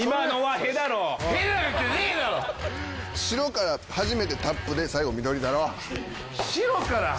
白から始めてタップで最後緑だろ。